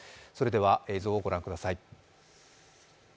映像をご覧ください。